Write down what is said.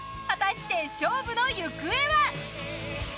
果たして勝負の行方は！？